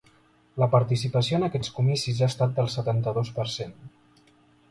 La participació en aquests comicis ha estat del setanta-dos per cent.